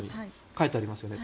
書いてありますよね。